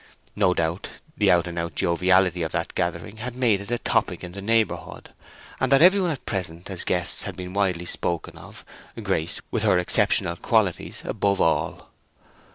No doubt the out and out joviality of that gathering had made it a topic in the neighborhood, and that every one present as guests had been widely spoken of—Grace, with her exceptional qualities, above all.